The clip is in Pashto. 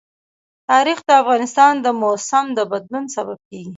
تاریخ د افغانستان د موسم د بدلون سبب کېږي.